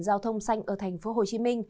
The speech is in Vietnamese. giao thông xanh ở tp hcm